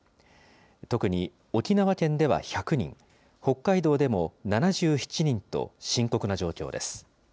特に沖縄県では１００人、北海道でも７７人と、深刻な状況です。